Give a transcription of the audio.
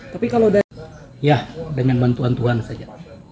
tapi kalau dari tuhan ya dengan bantuan tuhan saja